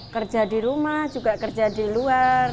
kerja di rumah juga kerja di luar